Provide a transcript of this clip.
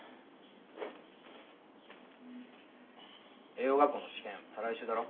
栄養学校の試験再来週だろ？